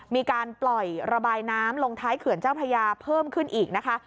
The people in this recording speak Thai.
มีการปล่อยระบายน้ำลงท้ายเขื่อนเจ้าพระยาเพิ่มขึ้นอีกนะคะ